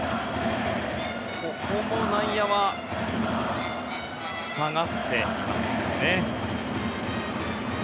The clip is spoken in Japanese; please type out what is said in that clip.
ここも内野は下がっていますね。